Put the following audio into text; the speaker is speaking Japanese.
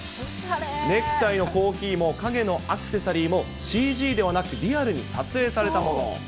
ネクタイのコーヒーも影のアクセサリーも、ＣＧではなくて、リアルに撮影されたもの。